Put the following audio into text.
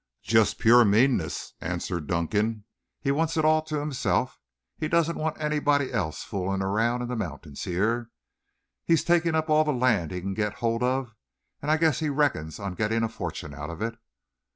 "Just pure meanness," answered Dunkan. "He wants it all to himself. He doesn't want anybody else fooling around in the mountains here. He's taking up all the land he can get hold of, and I guess he reckons on getting a fortune out of it.